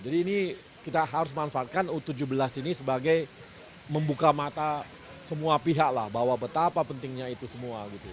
jadi ini kita harus manfaatkan u tujuh belas ini sebagai membuka mata semua pihak lah bahwa betapa pentingnya itu semua gitu